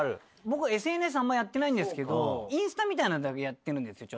僕はＳＮＳあんまやってないんですけどインスタみたいなのだけやってるんですよ